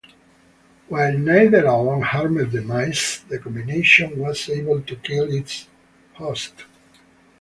While neither alone harmed the mice, the combination was able to kill its host.